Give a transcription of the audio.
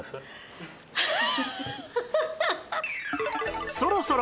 ハハハハ！